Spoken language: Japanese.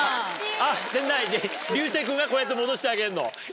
竜星君がこうやって戻してあげんの？